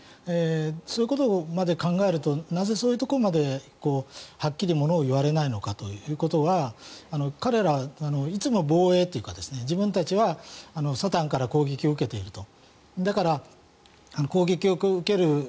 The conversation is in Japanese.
そういうことまで考えるとなぜそういうところまではっきりものを言わないのかということが彼ら、いつも防衛というか自分たちはサタンから攻撃を受けていると。